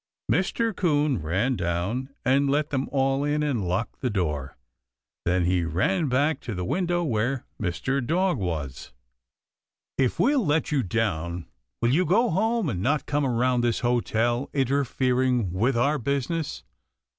Mr. 'Coon ran down and let them all in and locked the door. Then he ran back to the window where Mr. Dog was. "If we'll let you down will you go home and not come around this hotel interfering with our business?"